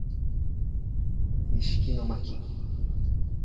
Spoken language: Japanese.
西木野真姫